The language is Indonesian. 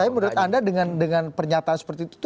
tapi menurut anda dengan pernyataan seperti itu